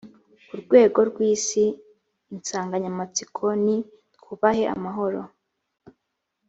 ku rwego rw isi insanganyamatsiko ni twubahe amahoro